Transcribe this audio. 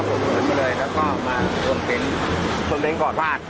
เมื่อเวลาเมื่อเวลา